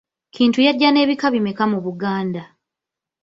Kintu yajja n'ebika bimeka mu Buganda?